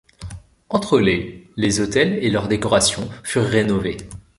Entre les les autels et leurs décorations furent rénovés.